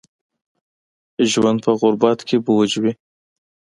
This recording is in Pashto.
ژوند په غربت کې بوج وي